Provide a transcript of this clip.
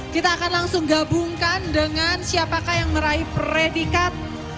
kita akan langsung gabungkan dengan siapakah yang meraih predikat